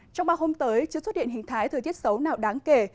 trong ba hôm tới chưa xuất hiện hình thái thời tiết xấu nào đáng kể